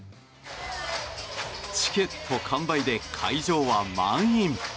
チケット完売で会場は満員。